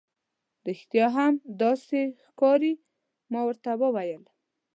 رښتیا هم، داسې ښکاري. ما ورته وویل.